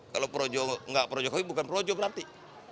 kalau projo gak projokowi bukan projo berarti